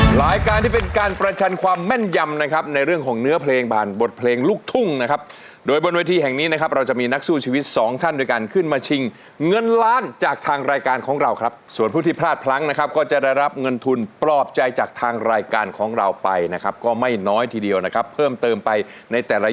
รายการที่เป็นการประชันความแม่นยำนะครับในเรื่องของเนื้อเพลงผ่านบทเพลงลูกทุ่งนะครับโดยบนเวทีแห่งนี้นะครับเราจะมีนักสู้ชีวิตสองท่านด้วยกันขึ้นมาชิงเงินล้านจากทางรายการของเราครับส่วนผู้ที่พลาดพลั้งนะครับก็จะได้รับเงินทุนปลอบใจจากทางรายการของเราไปนะครับก็ไม่น้อยทีเดียวนะครับเพิ่มเติมไปในแต่ละ